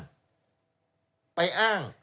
ก็เลยเอาเรื่องนี้ไปอ้าง